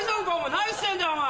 何してんだお前。